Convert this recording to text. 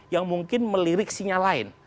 yang mungkin melirik sinyal lain